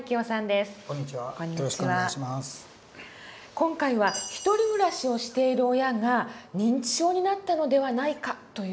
今回はひとり暮らしをしている親が認知症になったのではないかという場合なんですが。